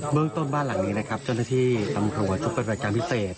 เมืองต้นบ้านหลังนี้นะครับเจ้าหน้าที่ตำรวจชุดปฏิบัติการพิเศษ